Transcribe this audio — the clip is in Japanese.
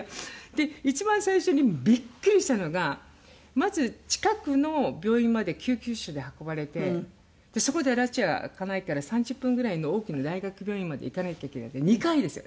一番最初にビックリしたのがまず近くの病院まで救急車で運ばれてそこではらちが明かないから３０分ぐらいの大きな大学病院まで行かなきゃいけないって２回ですよ。